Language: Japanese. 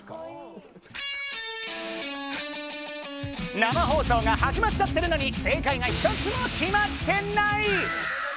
生放送が始まっちゃってるのに、正解が１つも決まってない。